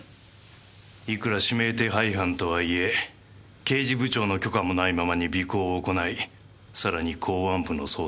いくら指名手配犯とはいえ刑事部長の許可もないままに尾行を行いさらに公安部の捜査を妨害した。